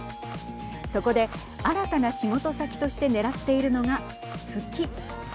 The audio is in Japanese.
そこで、新たな仕事先としてねらっているのが月。